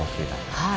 はい。